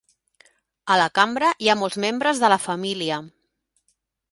A la cambra hi ha molts membres de la família.